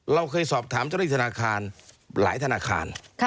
เราเคยสอบถามเจ้าหน้าที่ธนาคารหลายธนาคาร